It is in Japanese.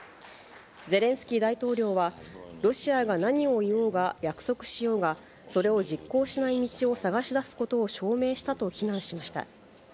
ゼレンスキー大統領は、ロシアが何を言おうが、約束しようが、それを実行しない道を探し出すことを証明したと非難しました。